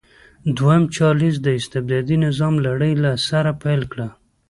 دویم چارلېز د استبدادي نظام لړۍ له سره پیل کړه.